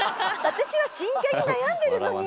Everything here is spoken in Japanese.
私は真剣に悩んでるのに！